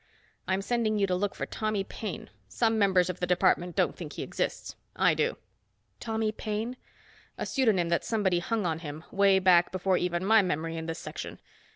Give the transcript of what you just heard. "I'm sending you to look for Tommy Paine. Some members of the department don't think he exists. I do." "Tommy Paine?" "A pseudonym that somebody hung on him way back before even my memory in this Section.